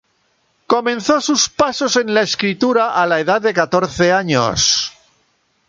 Comenzó sus pasos en la escritura a la edad de catorce años.